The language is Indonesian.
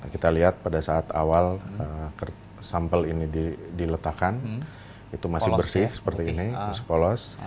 kita lihat pada saat awal sampel ini diletakkan itu masih bersih seperti ini masih polos